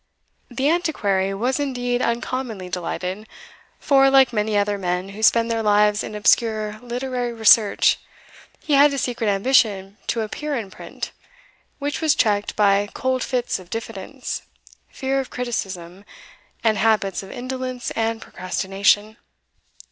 The Antiquary was indeed uncommonly delighted; for, like many other men who spend their lives in obscure literary research, he had a secret ambition to appear in print, which was checked by cold fits of diffidence, fear of criticism, and habits of indolence and procrastination.